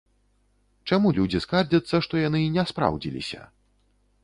Чаму людзі скардзяцца, што яны не спраўдзіліся?